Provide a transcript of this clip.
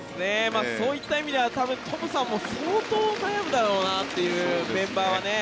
そういった意味では多分、トムさんも相当、悩むだろうなっていうメンバーはね。